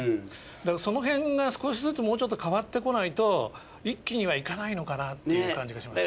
だからその辺が少しずつもうちょっと変わってこないと一気にはいかないのかなっていう感じがします。